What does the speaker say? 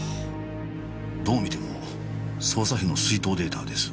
どう見ても捜査費の出納データです。